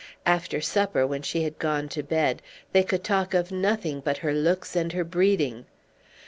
After supper, when she had gone to bed, they could talk of nothing but her looks and her breeding.